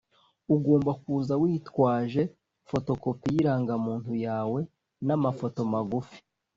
Ugomba kuza witwaje fotokopi yirangamuntu yawe nama foto magufi